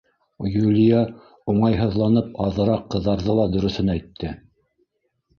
Юлия, уңайһыҙланып, аҙыраҡ ҡыҙарҙы ла дөрөҫөн әйтте: